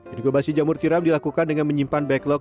inkubasi jamur tiram dilakukan dengan menyimpan backlog